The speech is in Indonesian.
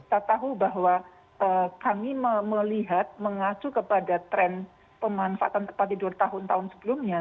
kita tahu bahwa kami melihat mengacu kepada tren pemanfaatan tempat tidur tahun tahun sebelumnya